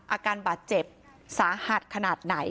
อาการบาดเจ็บสาหัสขนาดไหน